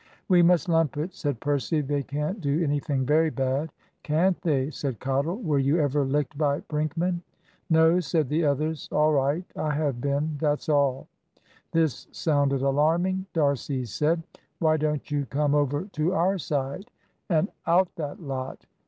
"We must lump it," said Percy. "They can't do anything very bad." "Can't they?" said Cottle. "Were you ever licked by Brinkman?" "No," said the others. "All right I have been that's all." This sounded alarming. D'Arcy said "Why don't you come over to our side, and out that lot!